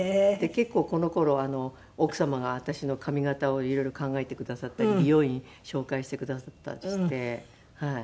結構この頃奥様が私の髪形を色々考えてくださったり美容院紹介してくださったりして。